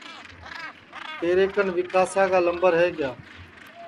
تیرے کن ویکاسا کا لمبر ہے کیا